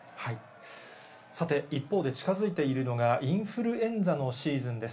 さて、一方で近づいているのが、インフルエンザのシーズンです。